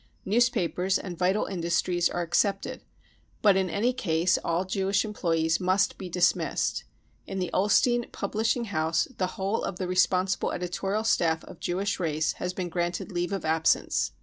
Newspapers and vital industries are excepted, but in any case all Jewish employees must be dismissed. In the Ullstein publishing house the whole of the responsible editorial staff of Jewish race has been granted leave of absence."